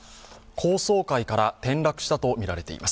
高層階から転落したとみられています。